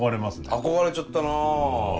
憧れちゃったな。